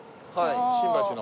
新橋の。